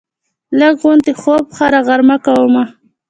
لږ غوندې خوب هره غرمه کومه